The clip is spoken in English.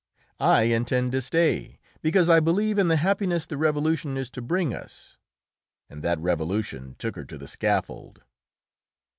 I intend to stay, because I believe in the happiness the Revolution is to bring us." And that Revolution took her to the scaffold!